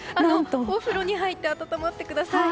お風呂に入って暖まってください。